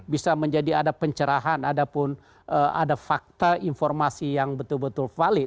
bisa menjadi ada pencerahan ada pun ada fakta informasi yang betul betul valid